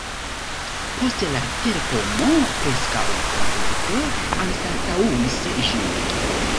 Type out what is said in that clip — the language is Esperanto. Poste la terpomo preskaŭ komplete anstataŭis ĝin.